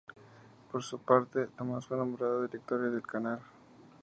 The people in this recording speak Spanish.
Por su parte, Thomas fue nombrado director del canal.